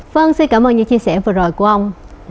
vâng xin cảm ơn những chia sẻ vừa rồi của ông